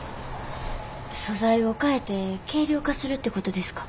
素材を替えて軽量化するってことですか？